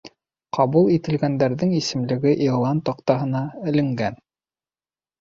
Ҡабул ителгәндәрҙең исемлеге иғлан таҡтаһына эленгән